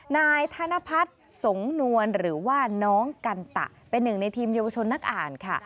นายธนพัฒน์สงนวลหรือว่าน้องกันตะเป็นหนึ่งในทีมเยาวชนนักอ่านค่ะ